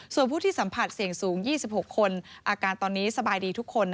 ส่วนผู้ที่สัมผัสเสี่ยงสูง๒๖คนอาการตอนนี้สบายดีทุกคน